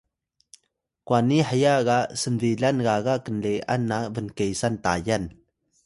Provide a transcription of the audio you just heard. kwani heya ga snbilan gaga knle’an na bnkesan Tayal